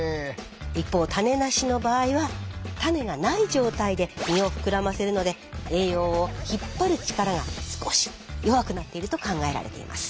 一方種なしの場合は種がない状態で実を膨らませるので栄養を引っ張る力が少し弱くなっていると考えられています。